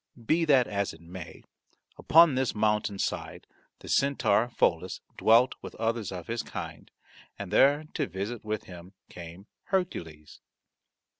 Be that as it may, upon this mountain side the centaur Pholus dwelt with others of his kind, and there to visit with him came Hercules.